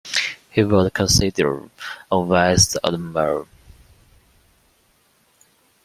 He was considered a Vice Admiral.